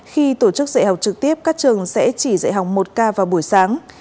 khi tổ chức dạy học trực tiếp các trường sẽ chỉ dạy học một k vào buổi sáng